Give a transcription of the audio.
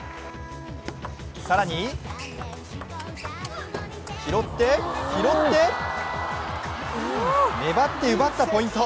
更に、拾って、拾って、粘って奪ったポイント。